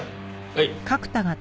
はい。